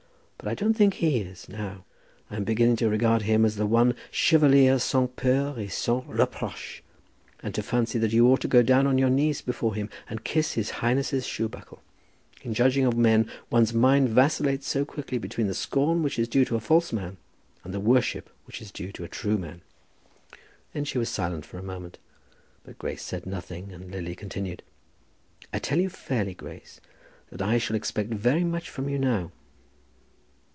But I don't think he is, now. I am beginning to regard him as the one chevalier sans peur et sans reproche, and to fancy that you ought to go down on your knees before him, and kiss his highness's shoebuckle. In judging of men one's mind vacillates so quickly between the scorn which is due to a false man and the worship which is due to a true man." Then she was silent for a moment, but Grace said nothing, and Lily continued, "I tell you fairly, Grace, that I shall expect very much from you now."